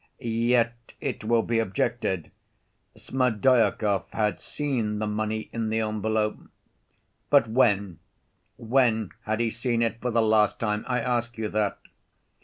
Yet, it will be objected, Smerdyakov had seen the money in the envelope. But when, when had he seen it for the last time, I ask you that?